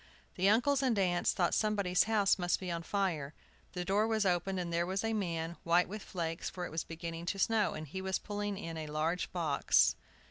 The uncles and aunts thought somebody's house must be on fire. The door was opened, and there was a man, white with flakes, for it was beginning to snow, and he was pulling in a large box.